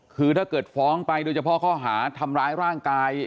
คือถ้าเกิดฟ้องไปโดยเฉพาะข้อหาทำร้ายร่างกาย